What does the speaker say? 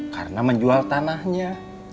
karena menjual tanahnya